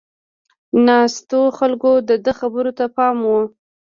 ناستو خلکو د ده خبرو ته پام و.